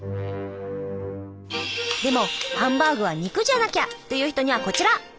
でもハンバーグは肉じゃなきゃ！という人にはこちら！